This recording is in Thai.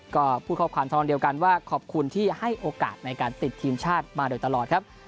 ก็พูดข้อความเท่านั้นเดียวกันว่าขอบคุณที่ให้โอกาสในการติดทีมชาติมาโดยตลอดครับ